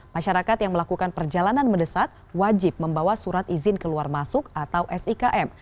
masyarakat yang melakukan perjalanan mendesak wajib membawa surat izin keluar masuk atau sikm